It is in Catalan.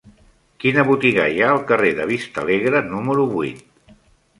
Quina botiga hi ha al carrer de Vistalegre número vuit?